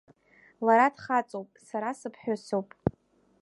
Лара дхаҵоуп, сара сыԥҳәысуп.